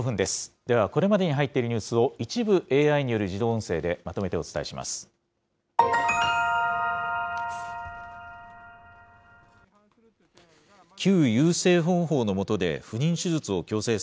ではこれまでに入っているニュースを、一部、ＡＩによる自動音声でまとめてお伝えします。